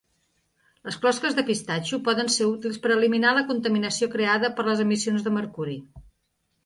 Les closques de pistatxo poden ser útils per eliminar la contaminació creada per les emissions de mercuri.